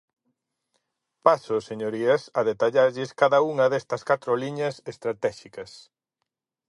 Paso, señorías, a detallarlles cada unha destas catro liñas estratéxicas.